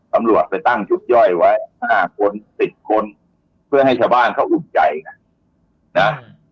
ตำรวจไปตั้งชุดย่อยไว้ห้าคนสิบคนเพื่อให้ชาวบ้านเขาอุ่นใจไงนะ